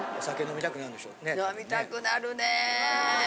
飲みたくなるね！